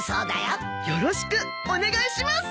よろしくお願いします。